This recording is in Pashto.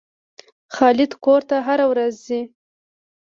خالد کور ته هره ورځ ځي.